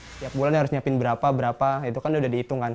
setiap bulan harus menyiapkan berapa berapa itu kan sudah dihitungkan